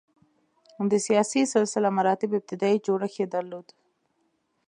د سیاسي سلسله مراتبو ابتدايي جوړښت یې درلود.